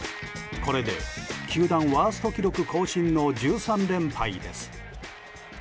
これで球団ワースト記録更新の１３連敗です。